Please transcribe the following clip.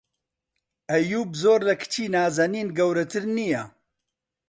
ئەییووب زۆر لە کچی نازەنین گەورەتر نییە.